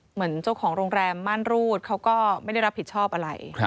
เหมือนเจ้าของโรงแรมม่านรูดเขาก็ไม่ได้รับผิดชอบอะไร